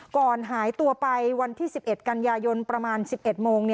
ก่อนหายตัวไปวันที่๑๑กันยายนประมาณ๑๑โมง